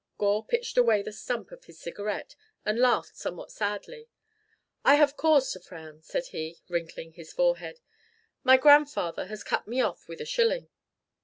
Gore pitched away the stump of his cigarette and laughed somewhat sadly. "I have cause to frown," said he, wrinkling his forehead. "My grandfather has cut me off with a shilling."